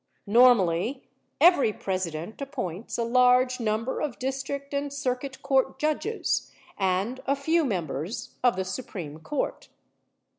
Normally every President appoints a large number of district and circuit court judges and a few members of the Supreme Court.